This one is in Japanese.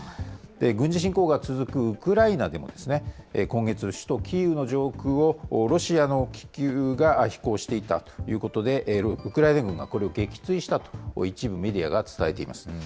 軍事侵攻が続くウクライナでも、今月、首都キーウの上空をロシアの気球が飛行していたということで、ウクライナ軍がこれを撃墜したと、一部メディアが伝えています。